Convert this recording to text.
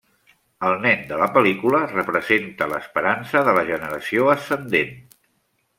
El nen de la pel·lícula representa l'esperança de la generació ascendent.